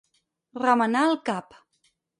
Remenar el cap.